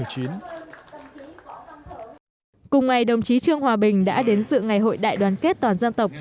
cùng ngày đồng chí trương hòa bình đã đến sự ngày hội đại đoàn kết toàn dân tộc